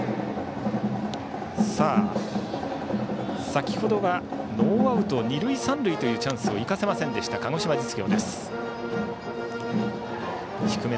先程はノーアウト二塁三塁というチャンスを生かせませんでした鹿児島実業。